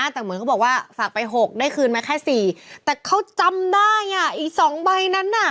แต่เหมือนเขาบอกว่าฝากไปหกได้คืนมาแค่สี่แต่เขาจำได้อ่ะอีกสองใบนั้นน่ะ